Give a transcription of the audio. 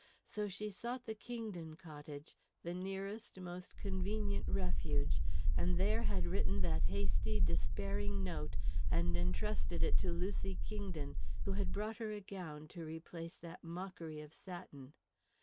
So she sought the Kingdon cottage, the nearest, most convenient refuge, and there had written that hasty, despairing note and entrusted it to Lucy Kingdon, who had brought her a gown to replace that mockery of satin.